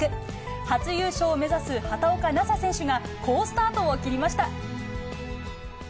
初優勝を目指す畑岡奈紗選手が好スタートを切りました。